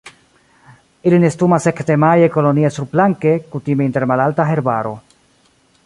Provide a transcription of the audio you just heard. Ili nestumas ekde maje kolonie surplanke, kutime inter malalta herbaro.